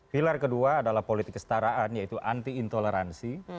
pilar kedua adalah politik kestaraan yaitu anti intoleransi